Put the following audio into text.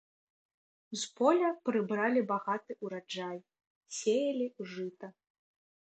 З поля прыбралі багаты ўраджай, сеялі жыта.